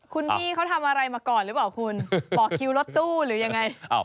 คุณพี่เขาทำอะไรมาก่อนหรือเปล่าคุณบอกคิวรถตู้หรือยังไง